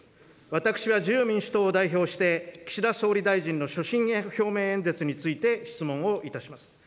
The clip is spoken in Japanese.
私は自由民主党を代表して、岸田総理大臣の所信表明演説について質問をいたします。